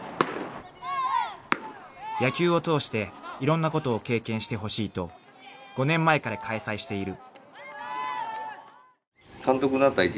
［野球を通していろんなことを経験してほしいと５年前から開催している］